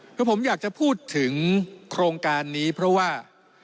คือผมอยากจะพูดถึงโครงการนี้เพราะว่า